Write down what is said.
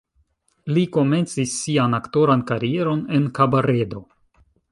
Li komencis sian aktoran karieron en kabaredo.